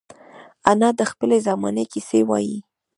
انا د خپلې زمانې کیسې وايي